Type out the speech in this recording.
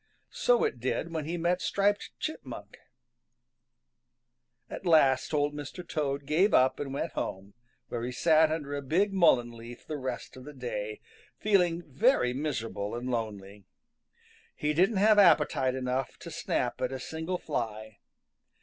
So it did when he met Striped Chipmunk. At last Old Mr. Toad gave up and went home, where he sat under a big mullein leaf the rest of the day, feeling very miserable and lonely. He didn't have appetite enough to snap at a single fly.